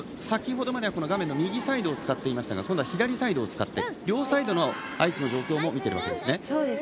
先程までは画面の右サイドを使っていましたが、今度は左サイドを使って両サイドのアイスの状況を見ているわけですね。